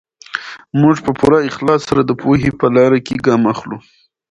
موږ په پوره اخلاص سره د پوهې په لاره کې ګام اخلو.